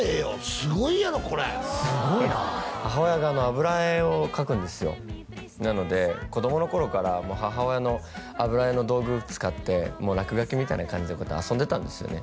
すごいやろこれすごいな母親が油絵を描くんですよなので子供の頃から母親の油絵の道具使って落書きみたいな感じで遊んでたんですよね